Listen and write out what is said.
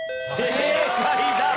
正解だ！